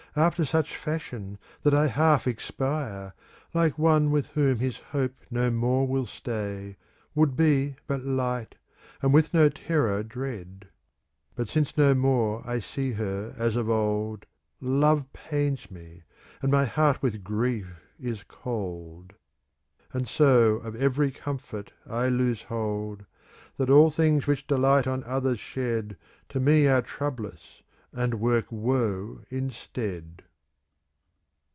After such fashion, that I half expire. Like one with whom his hope no more will stay, Would be but light, and with no terror dread ; But since no more I see her as of old, ^^ Love pains me, and my heart with grief is cold. And so of every comfort I lose hold. That all things which delight on others shed To me are troublous, and work woe instead.